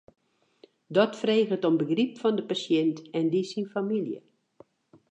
Dat freget om begryp fan de pasjint en dy syn famylje.